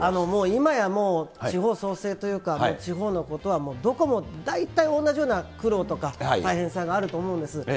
もう今やもう、地方創生というか、地方のことは、もうどこも大体同じような苦労とか、大変さがあると思うんです。